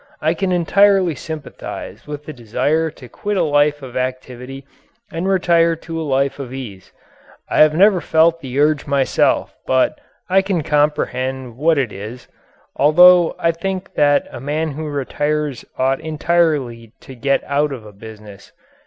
I can entirely sympathize with the desire to quit a life of activity and retire to a life of ease. I have never felt the urge myself but I can comprehend what it is although I think that a man who retires ought entirely to get out of a business.